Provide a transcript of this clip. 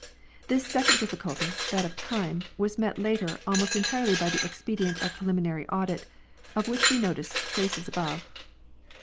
This second diffi culty that of time was met later almost entirely by the expedient of preliminary audit, of which we noticed traces above.